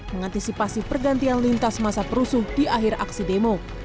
mengantisipasi pergantian lintas masa perusuh di akhir aksi demo